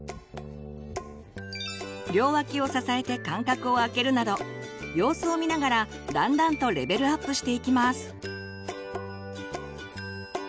両脇を支えて間隔を空けるなど様子を見ながらだんだんとレベルアップしていきます。